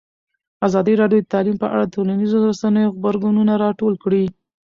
ازادي راډیو د تعلیم په اړه د ټولنیزو رسنیو غبرګونونه راټول کړي.